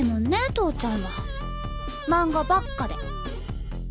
投ちゃんは漫画ばっかで。